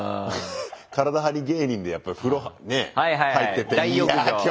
体張り芸人でやっぱ風呂ね入ってて。